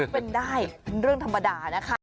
เป็นได้เป็นเรื่องธรรมดานะคะ